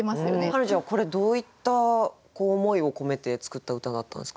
花ちゃんこれどういった思いを込めて作った歌だったんですか？